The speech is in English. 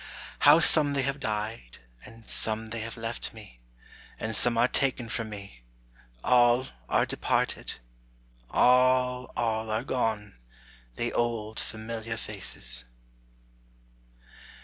How some they have died, and some they have left me, And some are taken from me; all are departed; All, all are gone, the old familiar faces.